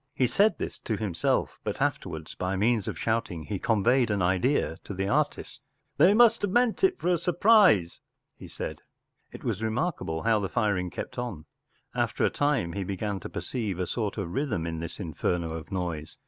He said this to himself, but afterwards, by means of shouting, he conveyed an idea to the artist. 14 They must have meant it for a sur prise,” he said. It was remark¬ able how the firing kept on. After a time he began to perceive a sort of rhythm in this inferno of noise.